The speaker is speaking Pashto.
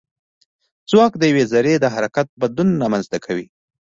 ځواک د یوې ذرې د حرکت بدلون رامنځته کوي.